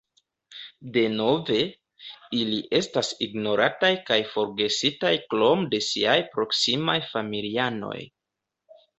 Denove, ili estas ignorataj kaj forgesitaj krom de siaj proksimaj familianoj.